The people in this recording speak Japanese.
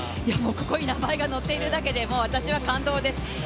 ここに名前が載っているだけで私は感動です。